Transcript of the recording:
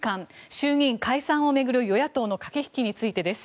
衆議院解散を巡る与野党の駆け引きについてです。